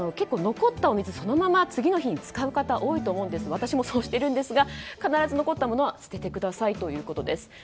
残ったお水をそのまま次の日に使う人が多いと思いますが私もそうしていますが必ず残ったものは捨ててくださいということです。